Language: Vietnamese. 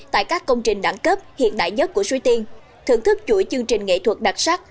tại các công trình đẳng cấp hiện đại nhất của suối tiên thưởng thức chuỗi chương trình nghệ thuật đặc sắc